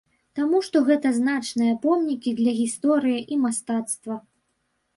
Таму што гэта значныя помнікі для гісторыі і мастацтва.